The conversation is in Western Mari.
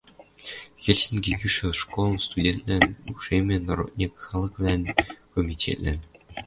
Хельсинки Кӱшӹл школын Студентвлӓн ушемӹн родньык халыквлӓн комитетлӓн